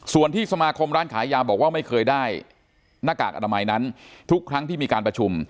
ส่วนที่สมาคมร้านขายยาบอกว่าไม่เคยได้หน้ากากอนามัยนั้นทุกครั้งที่มีการประชุม